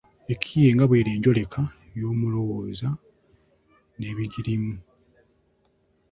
Ekiyiiye nga bw’eri enjoleka y’omulowooza n’ebigulimu.